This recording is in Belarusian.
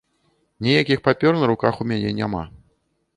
Ніякіх папер на руках у мяне няма.